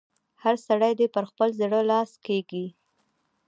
هر سړی دې پر خپل زړه لاس کېږي.